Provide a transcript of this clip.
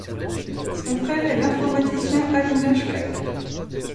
Son frère est l'informaticien Avinash Kak.